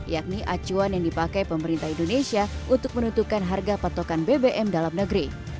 yakni acuan yang dipakai pemerintah indonesia untuk menentukan harga patokan bbm dalam negeri